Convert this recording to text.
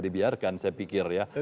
dibiarkan saya pikir ya